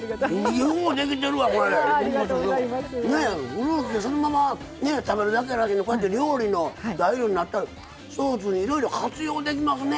フルーツでそのままねえ食べるだけやなしにこうやって料理の材料になったらいろいろ活用できますね。